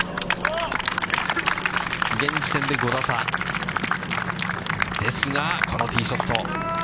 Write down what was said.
現時点で５打差ですが、このティーショット。